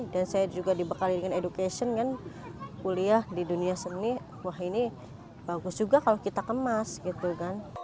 dan saya juga dibekali dengan education kan kuliah di dunia seni wah ini bagus juga kalau kita kemas gitu kan